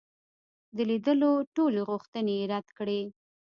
د لیدلو ټولي غوښتني یې رد کړې.